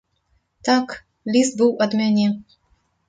Так, ліст быў ад мяне.